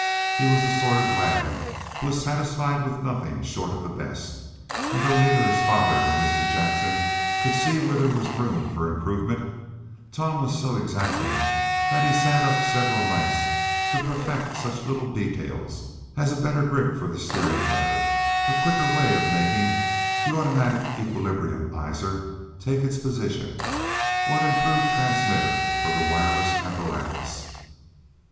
He was the sort of a lad who was satisfied with nothing short of the best, and though neither his father nor Mr. Jackson could see where there was room for improvement, Tom was so exacting that he sat up for several nights to perfect such little details as a better grip for the steering lever, a quicker way of making the automatic equilibriumizer take its position, or an improved transmitter for the wireless apparatus.